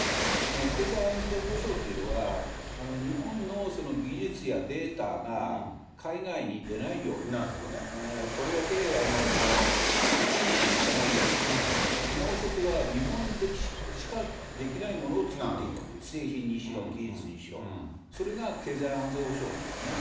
経済安全保障っていうのは、日本の技術やデータが、海外に出ないように、とりわけ中国にいかないように、もう一つは、日本でしかできないものを作っていく、製品にしろ技術にしろ、それが経済安全保障なんですね。